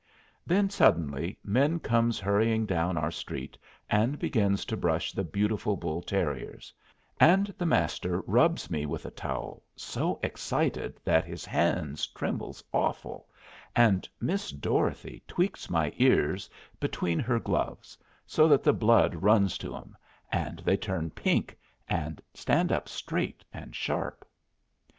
Then suddenly men comes hurrying down our street and begins to brush the beautiful bull terriers; and the Master rubs me with a towel so excited that his hands trembles awful, and Miss Dorothy tweaks my ears between her gloves, so that the blood runs to 'em, and they turn pink and stand up straight and sharp.